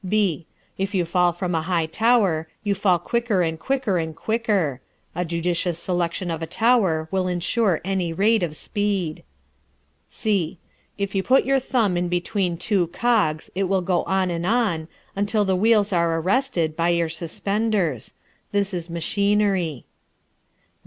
(b) If you fall from a high tower, you fall quicker and quicker and quicker; a judicious selection of a tower will ensure any rate of speed. (c) If you put your thumb in between two cogs it will go on and on, until the wheels are arrested, by your suspenders. This is machinery.